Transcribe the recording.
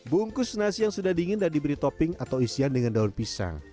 bungkus nasi yang sudah dingin dan diberi topping atau isian dengan daun pisang